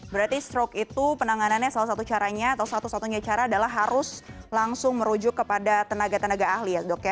berarti stroke itu penanganannya salah satu caranya atau satu satunya cara adalah harus langsung merujuk kepada tenaga tenaga ahli ya dok ya